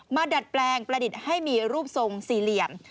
ดัดแปลงประดิษฐ์ให้มีรูปทรงสี่เหลี่ยม